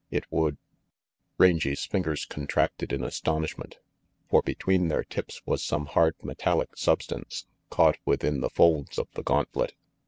It would Rangy's fingers contracted in astonishment, for between their tips was some hard, metallic substance, caught within the folds of the gauntlet.